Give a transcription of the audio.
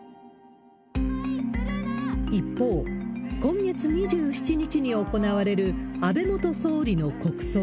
一方、今月２７日に行われる安倍元総理の国葬。